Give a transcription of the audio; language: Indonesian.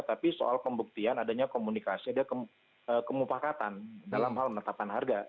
tapi soal pembuktian adanya komunikasi ada kemupakatan dalam hal menetapkan harga